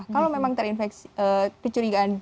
kalau memang terinfeksi kecurigaan